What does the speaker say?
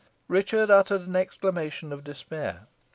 Richard uttered an exclamation of despair.